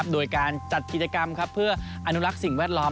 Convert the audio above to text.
โดยการจัดกิจกรรมเพื่ออนุรักษ์สิ่งแวดล้อม